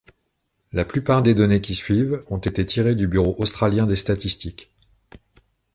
La plupart des données qui suivent ont été tirées du Bureau australien des statistiques.